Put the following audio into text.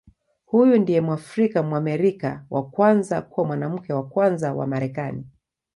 Huyu ndiye Mwafrika-Mwamerika wa kwanza kuwa Mwanamke wa Kwanza wa Marekani.